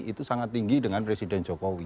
itu sangat tinggi dengan presiden jokowi